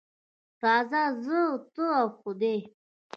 راځه زه، ته او خدای.